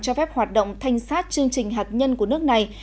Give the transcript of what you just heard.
cho phép hoạt động thanh sát chương trình hạt nhân của nước này